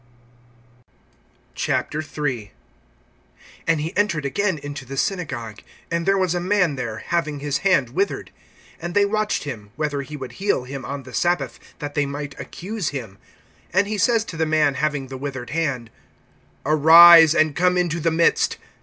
III. AND he entered again into the synagogue; and there was a man there, having his hand withered. (2)And they watched him, whether he would heal him on the sabbath; that they might accuse him. (3)And he says to the man having the withered hand: Arise, and come into the midst.